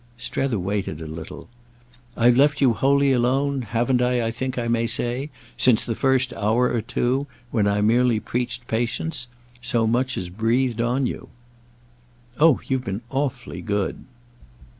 Strether waited a little. "I've left you wholly alone; haven't, I think I may say, since the first hour or two—when I merely preached patience—so much as breathed on you." "Oh you've been awfully good!"